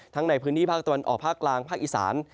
ในพื้นที่ภาคตะวันออกภาคกลางภาคอีสาน